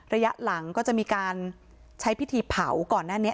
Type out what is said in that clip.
ระยะหลังก็จะมีการใช้พิธีเผาก่อนหน้านี้